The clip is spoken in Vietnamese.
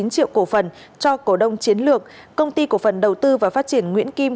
bốn triệu cổ phần cho cổ đông chiến lược công ty cổ phần đầu tư và phát triển nguyễn kim